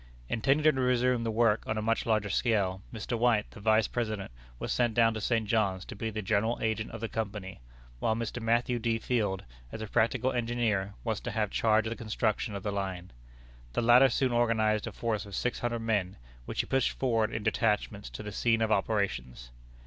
Intending to resume the work on a much larger scale, Mr. White, the Vice President, was sent down to St. John's to be the General Agent of the Company; while Mr. Matthew D. Field, as a practical engineer, was to have charge of the construction of the line. The latter soon organized a force of six hundred men, which he pushed forward in detachments to the scene of operations.